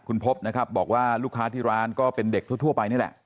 คุณพบนะครับบอกว่าลูกค้าที่ร้านก็เป็นเด็กทั่วไปนี่แหละ